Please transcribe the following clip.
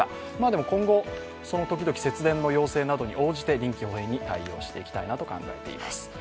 でも今後、その時々、節電の要請に応じて臨機応変に対応していきたいなと考えています。